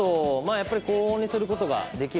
やっぱり高温にする事ができる。